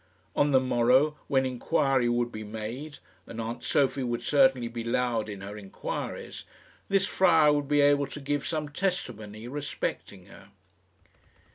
On the morrow, when inquiry would be made and aunt Sophie would certainly be loud in her inquiries this friar would be able to give some testimony respecting her.